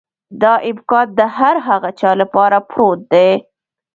دا امکان د هر هغه چا لپاره پروت دی.